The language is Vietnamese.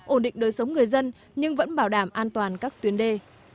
ổn định đời sống người dân nhưng vẫn bảo đảm an toàn các tuyến đê